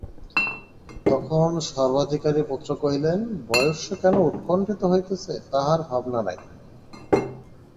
তখন সর্বাধিকারীর পুত্র কহিলেন, বয়স্য কেন উৎকণ্ঠিত হইতেছ আর ভাবনা নাই।